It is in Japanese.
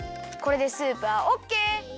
これでスープはオッケー！